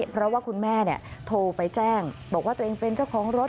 เพราะว่าคุณแม่โทรไปแจ้งบอกว่าตัวเองเป็นเจ้าของรถ